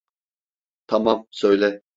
Tamam, söyle.